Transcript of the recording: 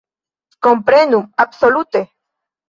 Komprenu, absolute!